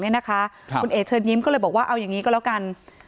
นี่นะคะนายคลิกก็บอกว่าเอาอย่างงี้ก็แล้วกัน